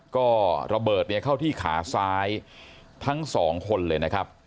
ก็ระเบิดเนี่ยเข้าที่ขาซ้ายทั้งสองคนเลยนะครับ